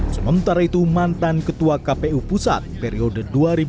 sementara itu mantan ketua kpu pusat periode dua ribu empat dua ribu lima